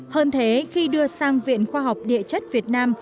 hơn thế khi đưa sang viện khoa học địa chất việt nam